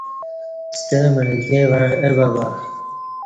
ستمع ایکے وعݩع اہ بَبہ